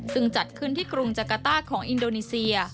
ซึ่งจัดขึ้นที่กรุงจักรต้าของอินโดนีเซีย